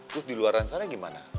terus di luar sana gimana